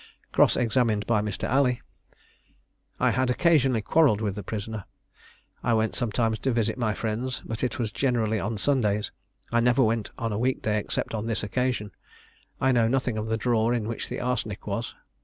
Cross examined by Mr. Alley. I had occasionally quarrelled with the prisoner. I went sometimes to visit my friends, but it was generally on Sundays. I never went on a week day except on this occasion. I know nothing of the drawer in which the arsenic was.